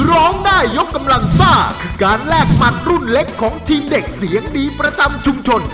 ร้องได้ยกกำลังซ่าคือการแลกหมัดรุ่นเล็กของทีมเด็กเสียงดีประจำชุมชน